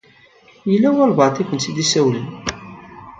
Yella walebɛaḍ i akent-id-isawlen.